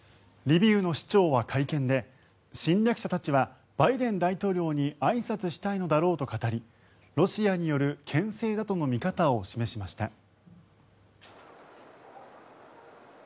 リビウの市長は会見で侵略者たちはバイデン大統領にあいさつしたいのだろうと語りロシアによるけん制だとの見方を示しました。